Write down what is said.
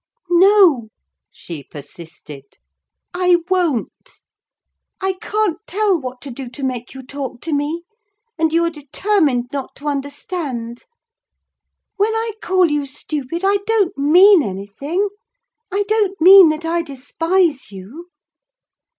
"No," she persisted, "I won't: I can't tell what to do to make you talk to me; and you are determined not to understand. When I call you stupid, I don't mean anything: I don't mean that I despise you.